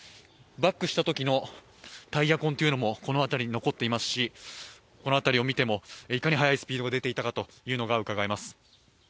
バックしたときのタイヤ痕もこの辺りに残っていますし、この辺りを見ても、いかに速いスピードが出ていたかうかがえます。